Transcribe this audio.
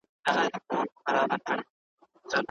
هغه تل د حقایقو د روښانه کولو لپاره هلې ځلې کولې.